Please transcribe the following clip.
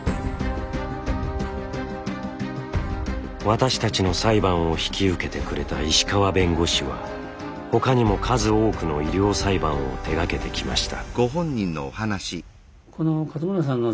私たちの裁判を引き受けてくれた石川弁護士は他にも数多くの医療裁判を手がけてきました。